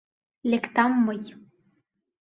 Лектам мый.